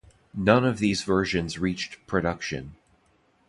None of these versions reached production.